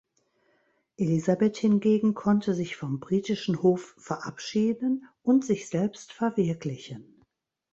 Elisabeth hingegen konnte sich vom britischen Hof verabschieden und sich selbst verwirklichen.